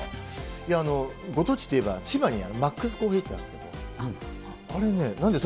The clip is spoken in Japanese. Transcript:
ご当地といえば、千葉にマックスコーヒーというのがあるんですけど、あれね、なんですか？